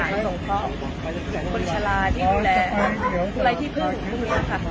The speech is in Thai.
ยายตรงเท้าคุณชาลาที่ดูแลที่พึ่งคุณพุงนี้ค่ะ